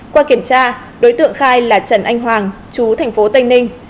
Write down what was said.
qua kiểm tra đối tượng khai là trần anh hoàng chú thành phố tây ninh